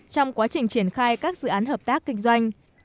trong quá trình triển khai các dự án hợp tác kinh doanh